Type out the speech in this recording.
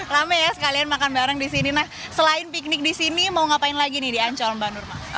ramai ya sekalian makan bareng di sini nah selain piknik di sini mau ngapain lagi di ancol mbak nurma